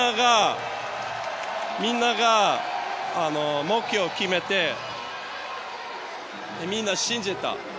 みんなが目標を決めてみんな信じた。